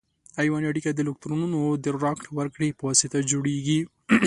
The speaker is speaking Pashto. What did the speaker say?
ایوني اړیکه د الکترونونو د راکړې ورکړې په واسطه جوړیږي.